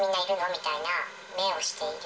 みたいな目をしている。